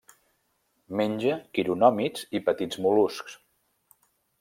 Menja quironòmids i petits mol·luscs.